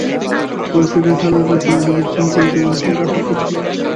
পরিচ্ছদে এদের শালীনতা ছিল না, মৃতদেহের গলিত মাংস এরা আহার করত।